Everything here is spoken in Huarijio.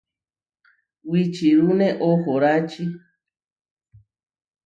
Wičirúne ohórači.